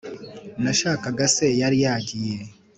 nashakaga se yari yagiye